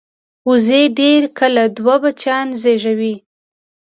وزې ډېر کله دوه بچیان زېږوي